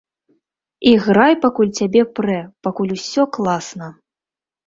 Іграй, пакуль цябе прэ, пакуль усё класна!